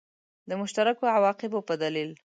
د مشترکو عواقبو په دلیل.